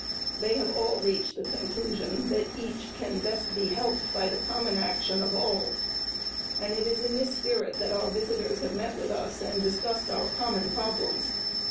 They have all reached the conclusion that each can best be helped by the common action of all. It is in this spirit that our visitors have met with us and discussed our common problems.